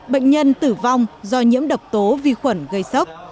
bệnh nhân tử vong do nhiễm độc tố vi khuẩn gây sốc